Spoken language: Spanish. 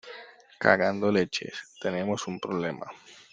cagando leches. tenemos un problema .